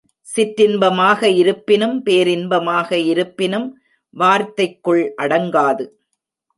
சிற்றின்பமாக இருப்பினும் பேரின்பமாக இருப்பினும் வார்த்தைக்குள் அடங்காது.